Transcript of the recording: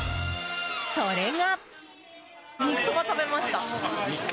それが。